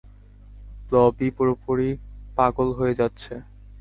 Blobby, পুরোপুরি পাগল হয়ে যাচ্ছে।